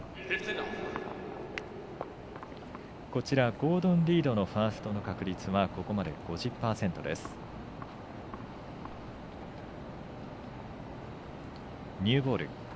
ゴードン・リードのファーストの確率はここまで５０％です。